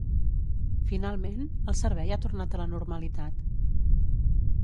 Finalment, el servei ha tornat a la normalitat.